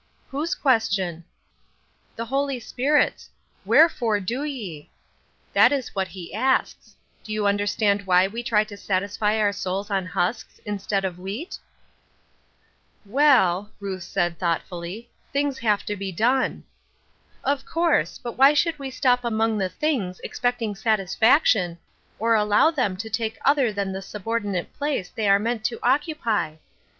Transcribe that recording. " Whose question ?" ''The Holy Spirit's — Wherefore, do ye? ^'Eearken Unto Jfe." 876 That is what he asks. Do you understand why we try to satisfy our souls on husks, instead of wheat ?" "Well," Ruth said, thoughtfully, "things have to be done." " Of course ; but why should we stop among the things expecting satisfaction, or allow them to take other than the subordinate place they were meant to occupy?